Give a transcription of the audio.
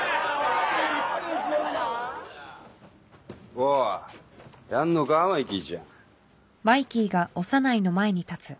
おおやんのかマイキーちゃん。